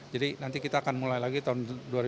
jadi nanti kita akan mulai lagi tahun dua ribu sembilan belas